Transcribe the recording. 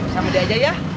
sama dia aja ya